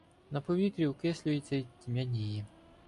На повітрі окислюється й тьмяніє.